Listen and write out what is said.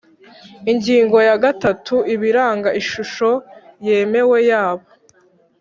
Ingingo ya gatatu Ibiranga Ishusho yemewe yabo